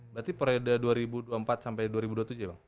berarti periode dua ribu dua puluh empat sampai dua ribu dua puluh tujuh ya bang